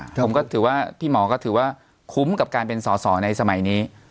ผมก็ถือว่าพี่หมอก็ถือว่าคุ้มกับการเป็นสอสอในสมัยนี้